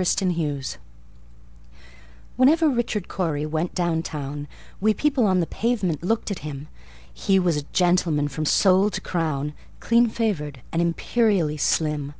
Richard Cory Whenever Richard Cory went down town, We people on the pavement looked at him: He was a gentleman from sole to crown, Clean favored, and imperially slim.